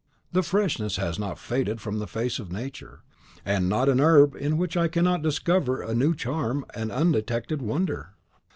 The freshness has not faded from the face of Nature, and not an herb in which I cannot discover a new charm, an undetected wonder.